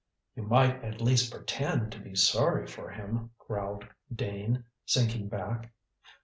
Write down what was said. "You might at least pretend to be sorry for him," growled Dane, sinking back.